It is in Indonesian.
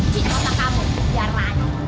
cintotak kamu biar lanjut